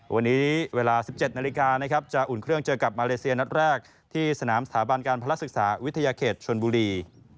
วันนี้เวลา๑๗นาฬิกานะครับจะอุ่นเครื่องเจอกับมาเลเซียนัดแรกที่สนามสถาบันการพลักษึกษาวิทยาเขตชนบุรี